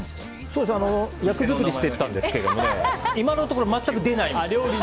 役作りしていったんですけども今のところ全く出ないです。